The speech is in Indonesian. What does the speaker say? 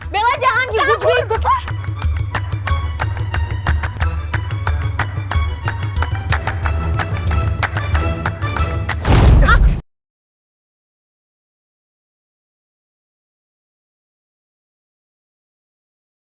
bella jangan gitu gue ikut